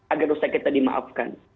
agar dosa kita dimaafkan